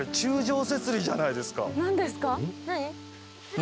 何？